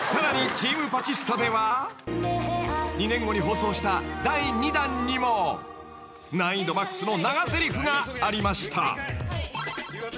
『チーム・バチスタ』では２年後に放送した第２弾にも難易度マックスの長ぜりふがありました］